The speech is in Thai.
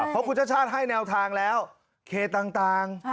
พอคุณชัดให้แนวทางแล้วเขตต่าง